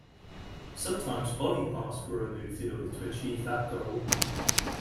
Sometimes body parts were removed in order to achieve that goal.